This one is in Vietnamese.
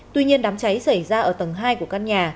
tuy nhiên đám cháy xảy ra ở tầng hai của căn nhà